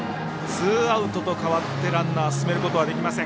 ツーアウトと変わってランナー進めることはできません。